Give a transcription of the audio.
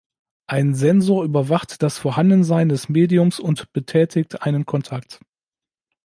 Ein Sensor überwacht das Vorhandensein des Mediums und betätigt einen Kontakt.